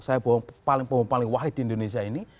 saya bohong paling wahid di indonesia ini